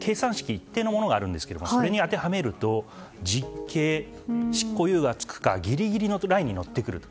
一定のものがあるんですがそれに当てはめると、実刑。執行猶予が付くかギリギリのラインに乗ってくると。